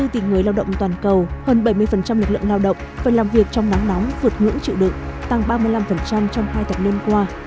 hai bốn tỷ người lao động toàn cầu hơn bảy mươi lực lượng lao động phải làm việc trong nắng nóng vượt ngưỡng chịu đựng tăng ba mươi năm trong hai tháng năm qua